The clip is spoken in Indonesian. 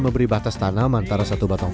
memberi batas tanam antara satu batang